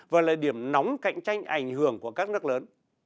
và là điểm nóng cạnh tranh ảnh hưởng của các nước lớn